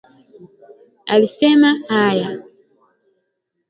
Alisema haya